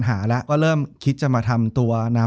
จบการโรงแรมจบการโรงแรม